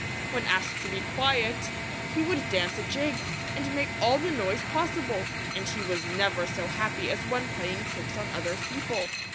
Wh en asked to be quiet, he would dance a jig, and make all the noise possi ble, and he was never so happy as when playing tricks on other people.